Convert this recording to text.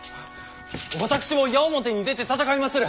私も矢面に出て戦いまする。